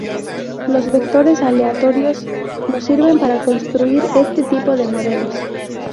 Los vectores aleatorios nos sirven para construir este tipo de modelos.